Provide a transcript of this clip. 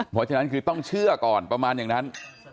เพราะฉะนั้นคือต้องเชื่อก่อนประมาณอย่างนั้น